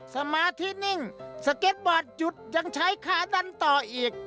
สมาธินิ่งสเก็ตบอร์ดหยุดยังใช้ขาดันต่ออีก